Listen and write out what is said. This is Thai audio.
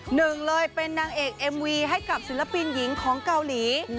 หนึ่งเลยเป็นนางเอกเอ็มวีให้กับศิลปินหญิงของเกาหลี